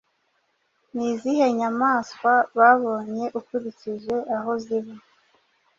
Ni izihe nyamaswa babonye ukurikije aho ziba?